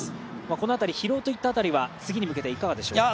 この辺り、疲労といった辺りは次に向けていかがですか。